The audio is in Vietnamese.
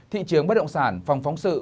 thị trường bất động sản phòng phóng sự